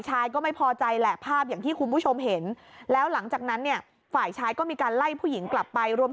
กุญแจรถคันขาวเนี่ยนะครับ